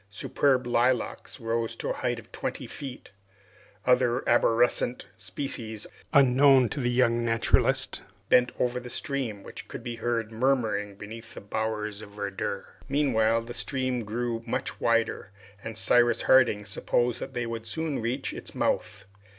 Superb lilacs rose to a height of twenty feet. Other arborescent species, unknown to the young naturalist, bent over the stream, which could be heard murmuring beneath the bowers of verdure. Meanwhile the stream grew much wider, and Cyrus Harding supposed that they would soon reach its mouth.